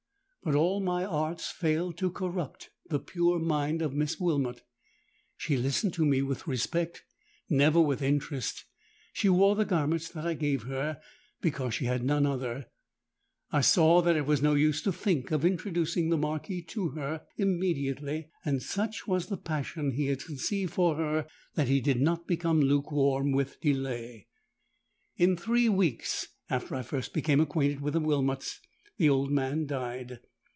But all my arts failed to corrupt the pure mind of Miss Wilmot: she listened to me with respect—never with interest;—she wore the garments that I gave her, because she had none others. I saw that it was no use to think of introducing the Marquis to her immediately; and such was the passion he had conceived for her, that he did not become lukewarm with delay. "In three weeks after I first became acquainted with the Wilmots, the old man died.